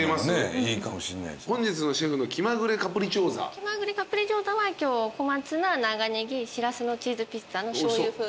気まぐれカプリチョーザは今日小松菜長ネギしらすのチーズピッツァのしょうゆ風味。